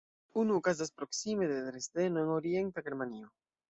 Unu okazas proksime de Dresdeno en orienta Germanio.